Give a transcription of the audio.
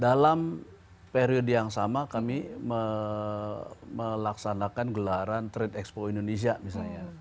dalam periode yang sama kami melaksanakan gelaran trade expo indonesia misalnya